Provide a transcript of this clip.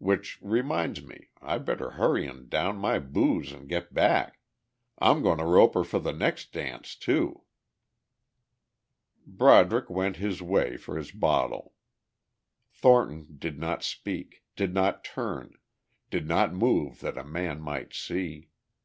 Which reminds me I better hurry and down my booze and get back. I'm going to rope her for the next dance, too." Broderick went his way for his bottle. Thornton did not speak, did not turn, did not move that a man might see.